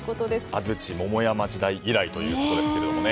安土桃山時代以来ということですけどもね。